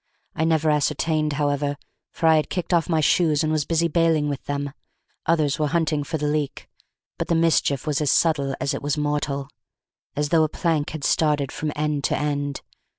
I never ascertained, however, for I had kicked off my shoes and was busy baling with them. Others were hunting for the leak. But the mischief was as subtle as it was mortal as though a plank had started from end to end.